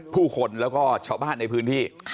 ผู้คนแล้วก็ชาวบ้านในพื้นที่